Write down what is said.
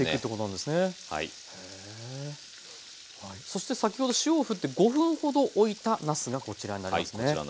そして先ほど塩をふって５分ほどおいたなすがこちらになりますね。